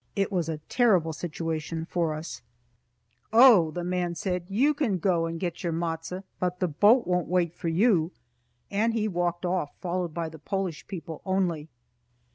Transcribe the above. It was a terrible situation for us. "Oh," said the man, "you can go and get your matzo, but the boat won't wait for you." And he walked off, followed by the Polish people only.